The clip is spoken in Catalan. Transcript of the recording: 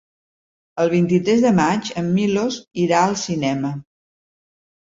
El vint-i-tres de maig en Milos irà al cinema.